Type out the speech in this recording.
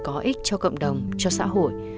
có ích cho cộng đồng cho xã hội